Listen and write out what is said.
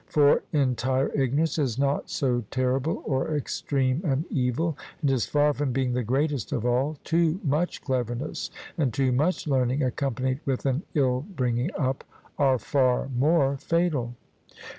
For entire ignorance is not so terrible or extreme an evil, and is far from being the greatest of all; too much cleverness and too much learning, accompanied with an ill bringing up, are far more fatal.